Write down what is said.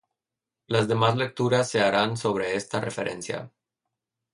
Las demás lecturas se harán sobre esta referencia.